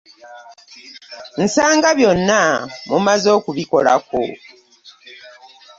Nsanga byonna mumaze okubikolako.